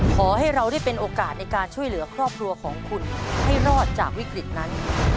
ขอให้เราได้เป็นโอกาสในการช่วยเหลือครอบครัวของคุณให้รอดจากวิกฤตนั้น